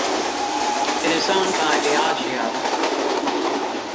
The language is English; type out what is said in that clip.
It is owned by Diageo.